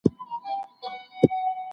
تطبیقي پوښتنې پرتله کول غواړي.